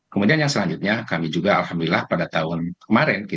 kemudian yang selanjutnya kami juga alhamdulillah pada tahun kemarin